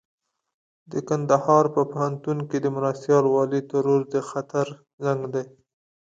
د کندهار په پوهنتون کې د مرستيال والي ترور د خطر زنګ دی.